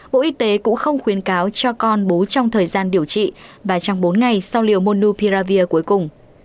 bộ y tế cũng không khuyến cáo cho con bú trong thời gian điều trị và trong bốn ngày sau liều modulavir cuối cùng